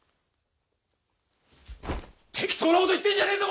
適当なこと言ってんじゃねえぞ